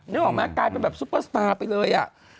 นึกออกไหมกลายเป็นแบบซุปเปอร์สตาร์ไปเลยอ่ะ